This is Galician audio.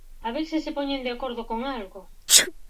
A ver se se poñen de acordo con algo.